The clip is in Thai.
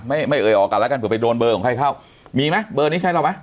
ไม่ไม่เอ่ยออกกันแล้วกันเผื่อไปโดนเบอร์ของใครเข้ามีไหมเบอร์นี้ใช้เราไหม